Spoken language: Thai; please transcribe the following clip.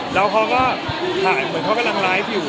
แล้วเขาก็ถ่ายเหมือนเขากำลังไลฟ์อยู่